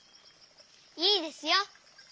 いいですよ。